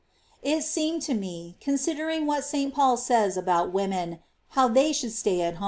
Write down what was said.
It seemed to me, considering what S. Paul says about women, how they should stay at home,^ 1 See § 6.